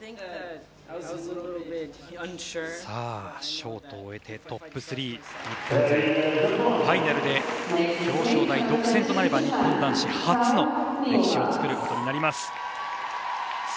ショートを終えてトップ３日本勢ファイナルで表彰台独占となれば日本男子初の歴史を作ることになります。